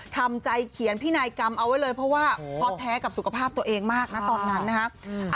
ทำใจเขียนพินัยกรรมเอาไว้เลยเพราะว่าพอแท้กับสุขภาพตัวเองมากนะตอนนั้นนะครับ